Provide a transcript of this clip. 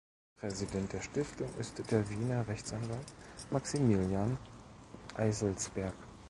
Präsident der Stiftung ist der Wiener Rechtsanwalt "Maximilian Eiselsberg".